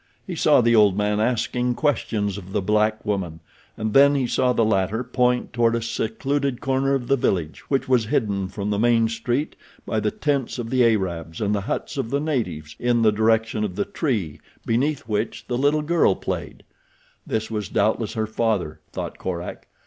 He saw the old man asking questions of the black woman, and then he saw the latter point toward a secluded corner of the village which was hidden from the main street by the tents of the Arabs and the huts of the natives in the direction of the tree beneath which the little girl played. This was doubtless her father, thought Korak.